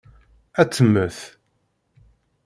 Ad temmet.